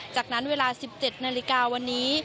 จากนั้นเวลา๑๗นาฬิกาวันนี้